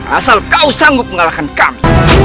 asal kau sanggup mengalahkan kami